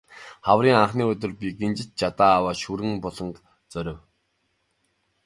Хаврын анхны өдөр би гинжит жадаа аваад Шүрэн буланг зорив.